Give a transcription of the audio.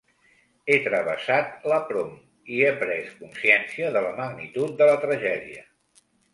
He travessat ‘la Prom’ i he pres consciència de la magnitud de la tragèdia.